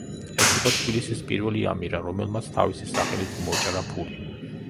ეს იყო თბილისის პირველი ამირა, რომელმაც თავისი სახელით მოჭრა ფული.